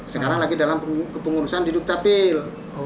sekarang lagi dalam kepengurusan di dukcapil